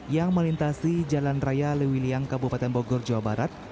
yang melintasi jalan raya lewiliang kabupaten bogor jawa barat